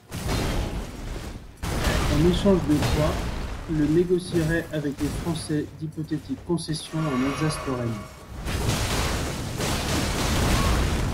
En échange de quoi, le négocierait avec les Français d'hypothétiques concessions en Alsace-Lorraine.